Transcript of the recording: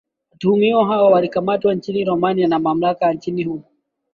watuhumiwa hao walikamatwa nchini romania na mamlaka ya nchini humo